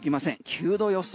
９度予想。